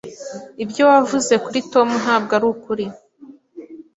Ibyo wavuze kuri Tom ntabwo arukuri.